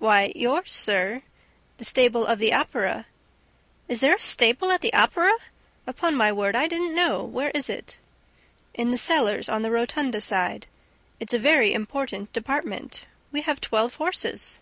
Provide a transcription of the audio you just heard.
"Why, yours, sir, the stable of the Opera." "Is there a stable at the Opera? Upon my word, I didn't know. Where is it?" "In the cellars, on the Rotunda side. It's a very important department; we have twelve horses."